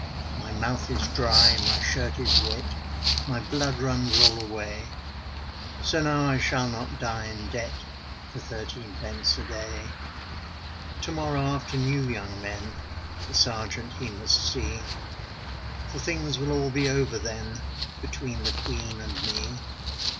My mouth is dry, my shirt is wet, My blood runs all away, So now I shall not die in debt For thirteen pence a day. To morrow after new young men The sergeant he must see, For things will all be over then Between the Queen and me.